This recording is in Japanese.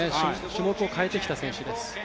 種目を変えてきた選手です。